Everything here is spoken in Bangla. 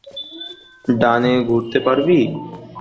ডানে ঘুরতে পারবি?